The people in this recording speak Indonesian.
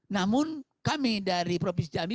namun kami dari provinsi jambi